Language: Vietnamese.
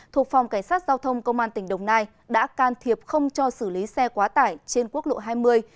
thuộc phòng cảnh sát giao thông công an tỉnh đồng nai đã can thiệp không cho xử lý xe quá tải trên quốc lộ hai mươi